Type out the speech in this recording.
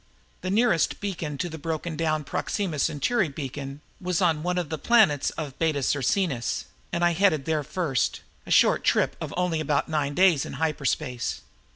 The nearest beacon to the broken down Proxima Centauri Beacon was on one of the planets of Beta Circinus and I headed there first, a short trip of only about nine days in hyperspace.